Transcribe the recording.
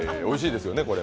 おいしいですよね。